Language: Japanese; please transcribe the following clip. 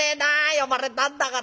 呼ばれたんだからな。